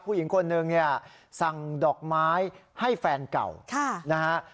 ผู้หญิงคนนึงเนี่ยสั่งดอกไม้ให้แฟนเก่านะฮะ